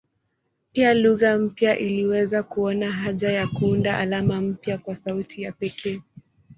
Pia lugha mpya iliweza kuona haja ya kuunda alama mpya kwa sauti ya pekee.